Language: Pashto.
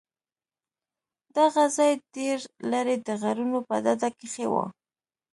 دغه ځاى ډېر لرې د غرونو په ډډه کښې و.